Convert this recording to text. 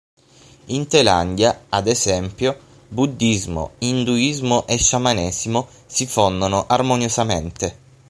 In Thailandia, ad esempio, buddismo, induismo e sciamanesimo si fondono armoniosamente.